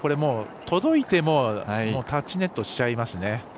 届いてもタッチネットしちゃいますね。